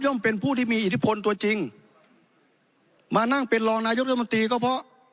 เป็นผู้ที่มีอิทธิพลตัวจริงมานั่งเป็นรองนายกรัฐมนตรีก็เพราะ